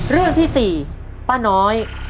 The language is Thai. เรื่องที่๔ป้าน้อย